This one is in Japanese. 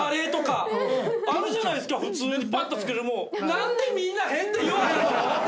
何でみんな変って言わへんの？